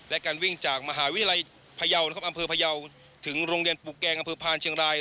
และการวิ่งจากมหาวิทยาลัยพยาวนะครับอำเภอพยาวถึงโรงเรียนปลูกแกงอำเภอพานเชียงราย